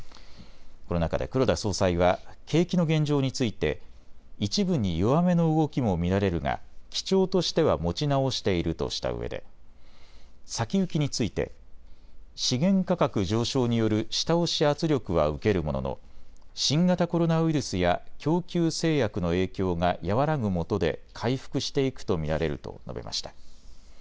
この中で黒田総裁は景気の現状について一部に弱めの動きも見られるが基調としては持ち直しているとしたうえで先行きについて資源価格上昇による下押し圧力は受けるものの新型コロナウイルスや供給制約の影響が和らぐもとで回復していくと見られると述べました。